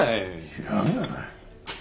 知らんがな。